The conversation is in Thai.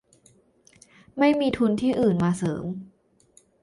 ไม่มีทุนที่อื่นมาเสริม